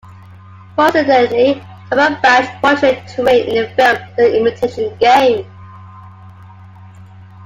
Coincidentally, Cumberbatch portrayed Turing in the film The Imitation Game.